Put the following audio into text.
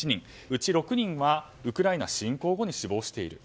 うち６人はウクライナ侵攻後に死亡している。